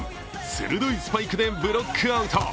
鋭いスパイクでブロックアウト。